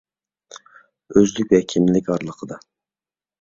ئۆزلۈك ۋە كىملىك ئارىلىقىدا.